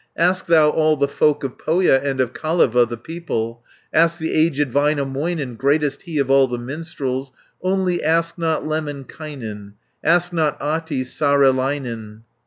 570 "Ask thou all the folk of Pohja, And of Kaleva the people: Ask the aged Väinämöinen, Greatest he of all the minstrels, Only ask not Lemminkainen, Ask not Ahti Saarelainen."